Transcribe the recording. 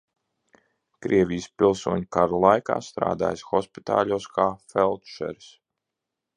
Krievijas pilsoņu kara laikā strādājis hospitāļos kā feldšeris.